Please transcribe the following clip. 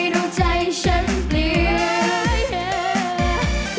ดูใจฉันปลีก